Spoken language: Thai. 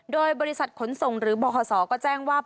โดยบริษัทขนส่งหรือบคศก็แจ้งว่า